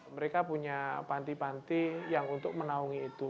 mereka punya panti panti yang untuk menaungi itu